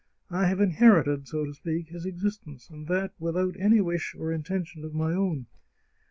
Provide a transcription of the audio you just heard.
I have inherited, so to speak, his existence, and that without any wish or intention of my own.